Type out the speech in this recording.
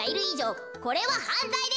これははんざいです。